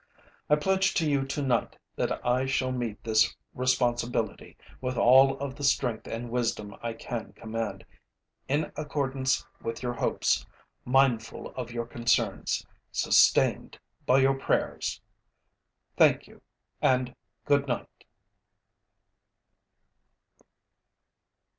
I pledge to you tonight that I shall meet this responsibility with all of the strength and wisdom I can command, in accordance with your hopes, mindful of your concerns, sustained by your prayers. Thank you and good night.